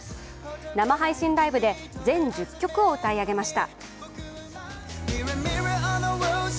生配信ライブで全１０曲を歌い上げました。